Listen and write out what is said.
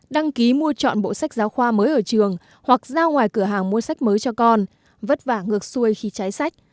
đăng ký mua chọn bộ sách giáo khoa mới ở trường hoặc ra ngoài cửa hàng mua sách mới cho con vất vả ngược xuôi khi trái sách